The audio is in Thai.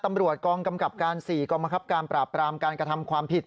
ตำรวจกองกำกับการ๔กองบังคับการปราบปรามการกระทำความผิด